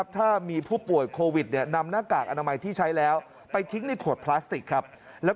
ถ้ามีผู้ป่วยโควิดนำหน้ากากอนามัยที่ใช้แล้ว